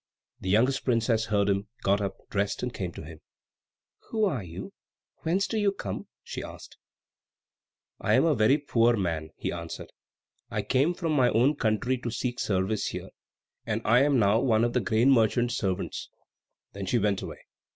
The youngest princess heard him, got up, dressed, and came to him. "Who are you? Whence do you come?" she asked. [Illustration: THE BOY WITH THE MOON ON HIS FOREHEAD] "I am a very poor man," he answered. "I came from my own country to seek service here, and I am now one of the grain merchant's servants." Then she went away.